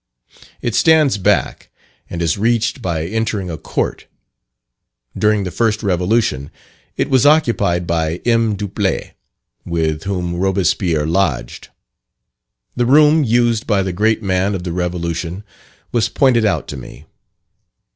It stands back, and is reached by entering a court. During the first revolution it was occupied by M. Duplay, with whom Robespierre lodged. The room used by the great man of the revolution, was pointed out to me.